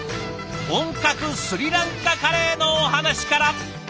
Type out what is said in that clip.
本格スリランカカレーのお話から。